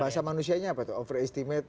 bahasa manusianya apa itu overestimate